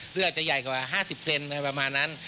หรืออาจจะใหญ่กว่า๕๐เซนต์ประมาณนั้น